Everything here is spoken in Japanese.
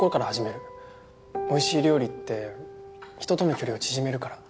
おいしい料理って人との距離を縮めるから。